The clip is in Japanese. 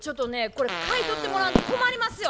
これ買い取ってもらわんと困りますよ。